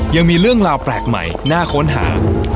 ยังมีเรื่องราวแปลกใหม่น่าค้นหา